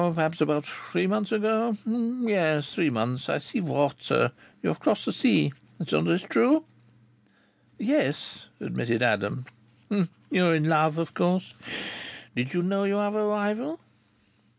Perhaps about three months ago. Yes three months. I see water you have crossed the sea. Is all this true?" "Yes," admitted Adam. "You're in love, of course. Did you know you have a rival?"